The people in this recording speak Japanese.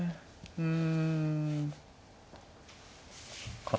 うん。